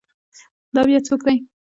دا بیا څوک دی؟